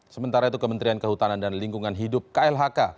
sementara itu kementerian kehutanan dan lingkungan hidup klhk